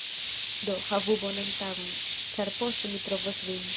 Do, havu bonan tagon, ĉar poste mi trovos vin.